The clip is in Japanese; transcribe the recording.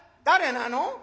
誰なの？